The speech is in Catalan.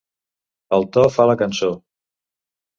El to fa la cançó.